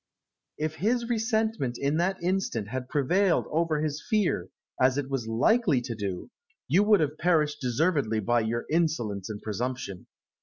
If his resentment in that instant had prevailed over his fear, as it was likely to do, you would have perished deservedly by your insolence and presumption.